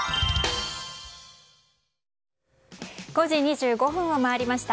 ５時２５分を回りました。